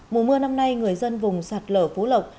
mùa mưa năm nay người dân vùng sạt lở phú lộc